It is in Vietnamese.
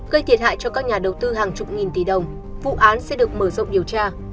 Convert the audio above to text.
gây thiệt hại cho các nhà đầu tư hàng chục nghìn tỷ đồng vụ án sẽ được mở rộng điều tra